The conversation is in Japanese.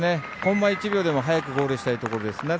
コンマ１秒でも早くゴールしたいところです。